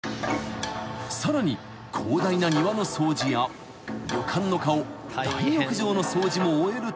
［さらに広大な庭の掃除や旅館の顔大浴場の掃除も終えると］